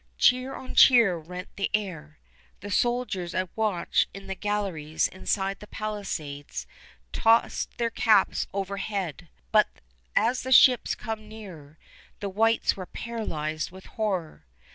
Cheer on cheer rent the air. The soldiers at watch in the galleries inside the palisades tossed their caps overhead, but as the ships came nearer the whites were paralyzed with horror.